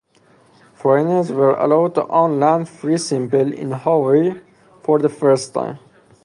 Foreigners were allowed to own land fee simple in Hawaii for the first time.